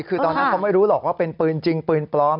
คือตอนนั้นเขาไม่รู้หรอกว่าเป็นปืนจริงปืนปลอม